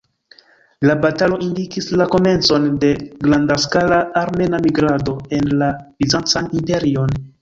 La batalo indikis la komencon de grandskala armena migrado en la Bizancan Imperion.